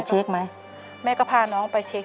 ขอเอ็กซาเรย์แล้วก็เจาะไข่ที่สันหลังค่ะ